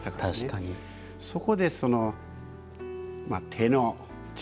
そこでまあ手の力。